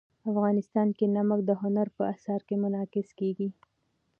افغانستان کې نمک د هنر په اثار کې منعکس کېږي.